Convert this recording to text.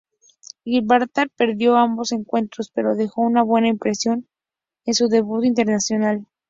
Gibraltar perdió ambos encuentros pero dejó una buena impresión en su debut internacional.